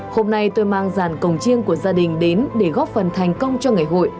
hôm nay tôi mang ràn cồng chiêng của gia đình đến để góp phần thành công cho ngày hội